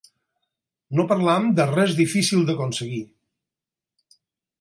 No parlem de res difícil d'aconseguir.